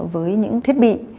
với những thiết bị